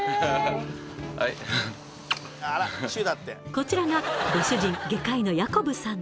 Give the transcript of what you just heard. こちらがご主人外科医のヤコブさん